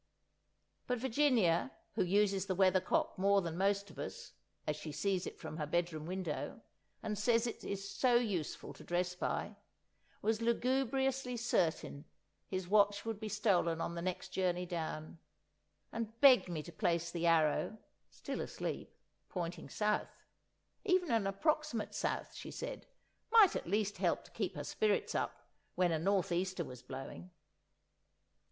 But Virginia, who uses the weathercock more than most of us, as she sees it from her bedroom window, and says it is so useful to dress by, was lugubriously certain his watch would be stolen on the next journey down, and begged me to place the arrow—still asleep—pointing south; even an approximate south, she said, might at least help to keep her spirits up, when a northeaster was blowing.